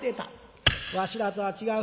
「わしらとは違う。